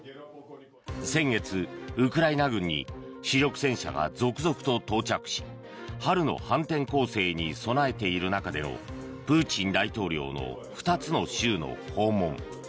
先月、ウクライナ軍に主力戦車が続々と到着し春の反転攻勢に備えている中でのプーチン大統領の２つの州の訪問。